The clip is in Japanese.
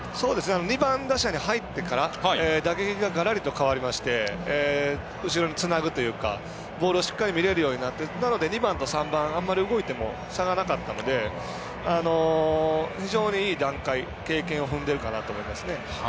２番打者に入ってから打撃ががらりと変わりまして後ろにつなぐというかボールをしっかり見れるようになってなので２番と３番あんまり動いても差がなかったので非常にいい段階経験を踏んでいるかなと思いますね。